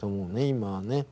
今はね。